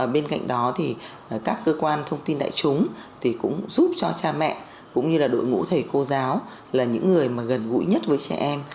bên cạnh đó thì các cơ quan thông tin đại chúng thì cũng giúp cho cha mẹ cũng như là đội ngũ thầy cô giáo là những người mà gần gũi nhất với trẻ em